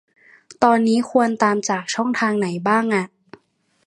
ตอนนี้ควรตามจากช่องทางไหนบ้างอะ ?